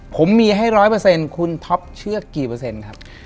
ผมมีให้ร้อยเปอร์เซ็นต์คุณท็อปเชื่อกี่เปอร์เซ็นต์ครับ